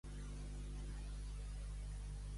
Casada endreçada treu el marit de casa d'altri.